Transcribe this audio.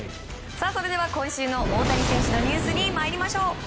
それでは今週の大谷選手のニュースに参りましょう。